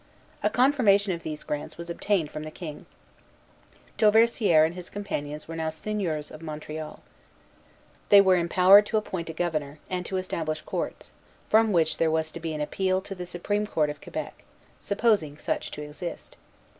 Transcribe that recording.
A confirmation of these grants was obtained from the King. Dauversière and his companions were now seigneurs of Montreal. They were empowered to appoint a governor, and to establish courts, from which there was to be an appeal to the Supreme Court of Quebec, supposing such to exist.